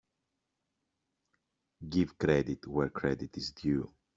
Give credit where credit is due.